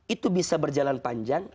itu bisa berjalan panjang